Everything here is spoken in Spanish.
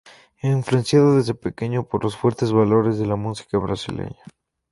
Influenciado desde pequeño por los fuertes valores de la música brasileña.